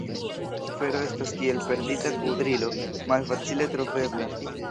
Vero estas kiel perdita kudrilo – malfacile trovebla.